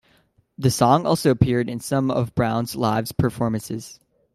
The song also appeared in some of Brown's live performances.